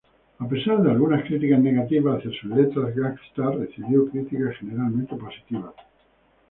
A pesar de algunas críticas negativas hacia sus letras "gangsta", recibió críticas generalmente positivas.